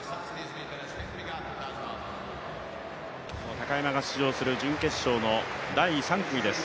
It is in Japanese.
高山が出場する準決勝の第３組です。